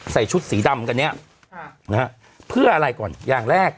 ชุดสีดำกันเนี่ยนะฮะเพื่ออะไรก่อนอย่างแรก